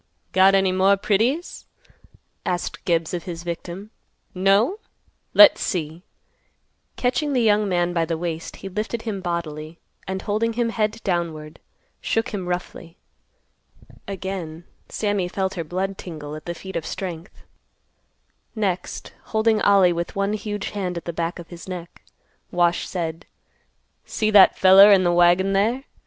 "Got any more pretties!" asked Gibbs of his victim. "No? Let's see." Catching the young man by the waist, he lifted him bodily, and, holding him head downward, shook him roughly. Again Sammy felt her blood tingle at the feat of strength. Next holding Ollie with one huge hand at the back of his neck, Wash said, "See that feller in th' wagon there?